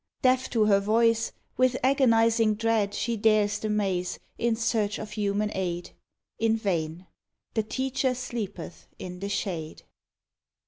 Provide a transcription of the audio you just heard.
Deaf to her voice, with agonizing dread She dares the maze, in search of human aid. In vain! The Teacher "sleepeth" in the shade.